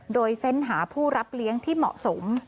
โดยเฟ้นหาผู้รับเลี้ยงที่เหมาะสม